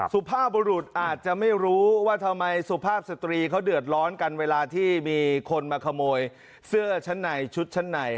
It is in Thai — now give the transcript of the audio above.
สุภาพบรุษอาจจะไม่รู้ว่าทำไมสุภาพสตรีเขาเดือดร้อนกันเวลาที่มีคนมาขโมยเสื้อชั้นในชุดชั้นใน